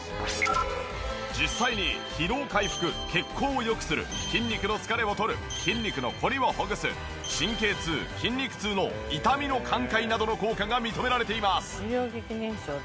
実際に疲労回復血行を良くする筋肉の疲れをとる筋肉のコリをほぐす神経痛・筋肉痛の痛みの緩解などの効果が認められています。